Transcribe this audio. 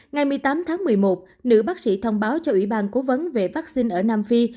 ngày một mươi tám tháng một mươi một nữ bác sĩ thông báo cho ủy ban cố vấn về vaccine ở nam phi